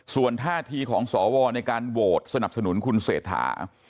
ส่วนท่าทีของสวในการโหวตสนับสนุนคุณเศรษฐา